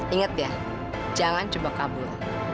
ingat ya jangan cuma kabur